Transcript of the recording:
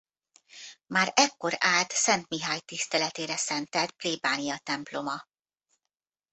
Már ekkor állt Szent Mihály tiszteletére szentelt plébániatemploma.